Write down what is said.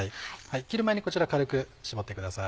切る前にこちら軽く絞ってください。